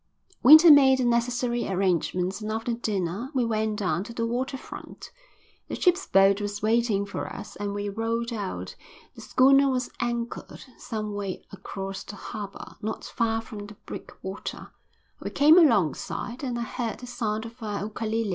Winter made the necessary arrangements and after dinner we went down to the water front. The ship's boat was waiting for us and we rowed out. The schooner was anchored some way across the harbour, not far from the breakwater. We came alongside, and I heard the sound of a ukalele.